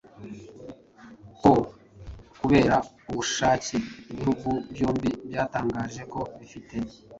ko kubera ubushake ibihugu byombi byatangaje ko bifite